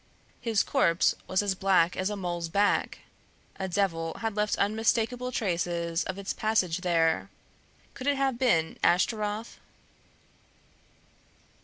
His corpse was as black as a mole's back. A devil had left unmistakable traces of its passage there; could it have been Ashtaroth?